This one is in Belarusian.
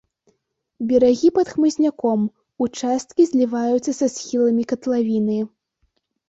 Берагі пад хмызняком, участкі зліваюцца са схіламі катлавіны.